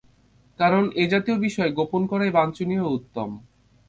কারণ, এ জাতীয় বিষয় গোপন করাই বাঞ্ছনীয় ও উত্তম।